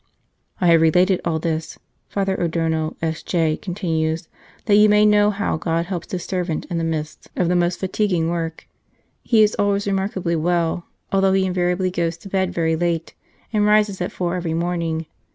" I have related all this," Father Adorno, S.J., continues, " that you may know how God helps His servant in the midst of the most fatiguing work. He is always remarkably well, although he invari ably goes to bed very late, and rises at four every morning.